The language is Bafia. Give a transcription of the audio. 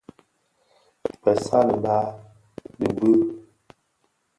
Bëssali baà di bi.